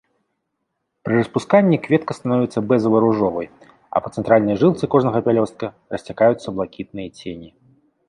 Пры распусканні кветка становіцца бэзава-ружовай, а па цэнтральнай жылцы кожнага пялёстка расцякаюцца блакітныя цені.